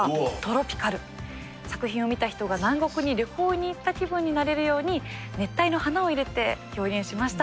作品を見た人が南国に旅行に行った気分になれるように熱帯の花を入れて表現しました。